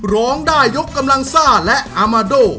ร้องได้ยกกำลังซ่าและอามาโด